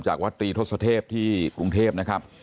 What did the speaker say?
วัดตรีทศเทพที่กรุงเทพนะครับ